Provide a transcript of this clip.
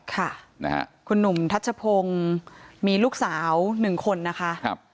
ค่ะนะฮะคุณหนุ่มทัชโพงมีลูกสาวหนึ่งคนนะคะครับ